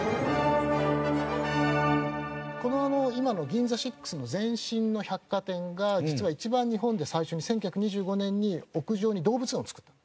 今のＧＩＮＺＡＳＩＸの前身の百貨店が実は一番日本で最初に１９２５年に屋上に動物園を作った。